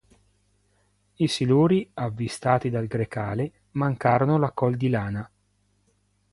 I siluri, avvistati dal Grecale, mancarono la Col di Lana.